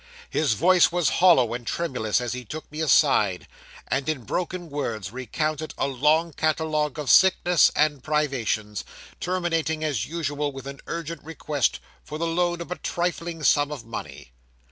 His voice was hollow and tremulous as he took me aside, and in broken words recounted a long catalogue of sickness and privations, terminating as usual with an urgent request for the loan of a trifling sum of money.